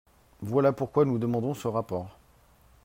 Voilà pourquoi nous demandons ce rapport.